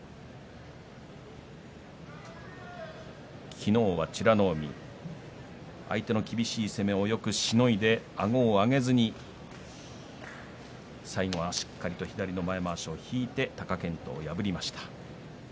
昨日は美ノ海相手の厳しい攻めをよくしのいであごを上げずに最後はしっかりと左の前まわしを引いて貴健斗を破りました。